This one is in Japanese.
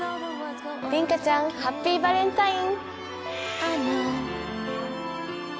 琳加ちゃんハッピーバレンタイン！